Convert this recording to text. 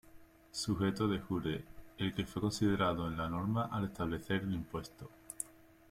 Sujeto de jure: el que fue considerado en la norma al establecer el impuesto.